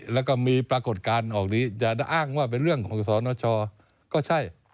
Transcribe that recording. แล้วก็มีปรากฏการณ์ออกนี้อย่าอ้างว่าเป็นเรื่องของสนชก็ใช่